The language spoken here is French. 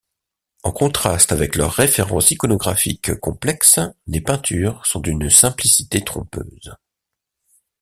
En contraste avec leurs références iconographiques complexes, les peintures sont d'une simplicité trompeuse.